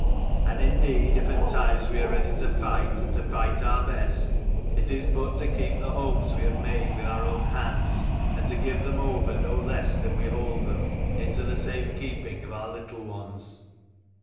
And indeed if at times we are ready to fight, and to fight our best, it is but to keep the homes we have made with our own hands, and to give them over no less than we hold them into the safe keeping of our little ones."